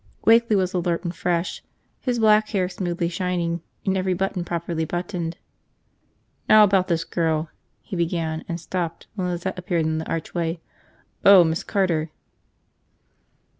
Wakeley was alert and fresh, his black hair smoothly shining and every button properly buttoned. "Now about this girl," he began, and stopped when Lizette appeared in the archway. "Oh, Miss Carter."